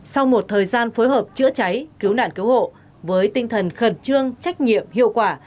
sau một thời gian phối hợp chữa cháy cứu nạn cứu hộ với tinh thần khẩn trương trách nhiệm hiệu quả